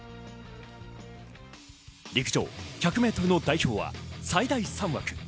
陸上１００ｍの代表は最大３枠。